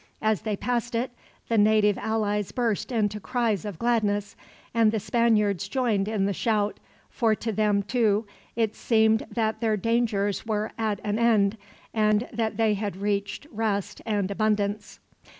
As they passed it, the native allies burst into cries of gladness; and the Spaniards joined in the shout, for to them, too, it seemed that their dangers were at an end, and that they had reached rest and abundance.